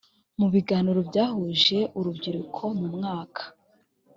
mu biganiro byahuje urubyiruko mu mwaka